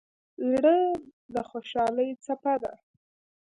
زړه د خوشحالۍ څپه ده.